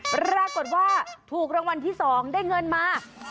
ปรากฏว่าถูกรางวัลที่๒ได้เงินมา